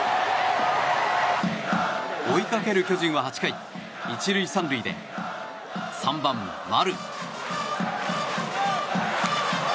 追いかける巨人は８回１塁３塁で３番、丸。